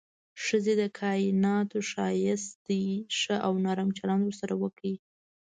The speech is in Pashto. ښځې د کائناتو ښايست ده، ښه او نرم چلند ورسره وکړئ.